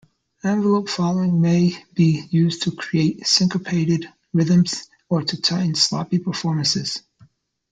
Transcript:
Envelope following may be used to create syncopated rhythms or to tighten sloppy performances.